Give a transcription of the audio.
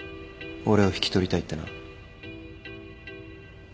俺を引き取りたいってな。